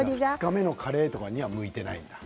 ２日目のカレーには向いていないんだ。